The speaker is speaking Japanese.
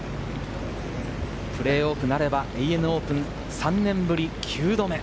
プレーオフなれば、ＡＮＡオープン３年ぶり９度目。